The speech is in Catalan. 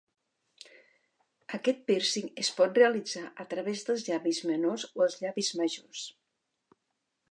Aquest pírcing es pot realitzar a través dels llavis menors o els llavis majors.